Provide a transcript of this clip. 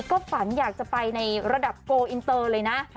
ก็ฝันอยากจะไปในระดับโกลอินเตอร์เลยนะ